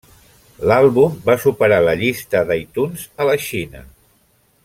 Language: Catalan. L'àlbum va superar la llista d'iTunes a la Xina.